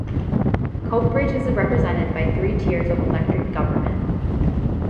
Coatbridge is represented by three tiers of elected government.